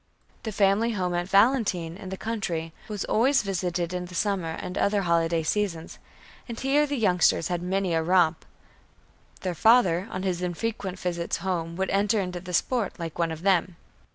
The family home at Valentine, in the country, was always visited in the summer and other holiday seasons, and here the youngsters had many a romp. Their father on his infrequent visits home would enter into the sport like one of them.